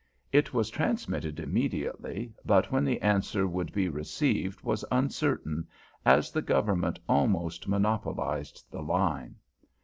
It was transmitted immediately, but when the answer would be received was uncertain, as the Government almost monopolized the line.